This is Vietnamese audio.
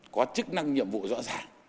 có chức năng nhiệm vụ rõ ràng